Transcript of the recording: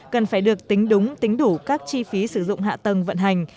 cần phải được tính đúng tính đủ các chi phí sử dụng hạ tầng vận hành